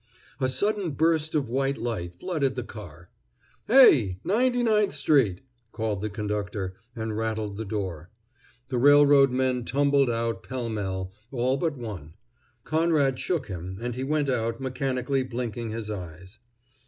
A sudden burst of white light flooded the car. "Hey! Ninety ninth street!" called the conductor, and rattled the door. The railroad men tumbled out pell mell, all but one. Conrad shook him, and he went out, mechanically blinking his eyes.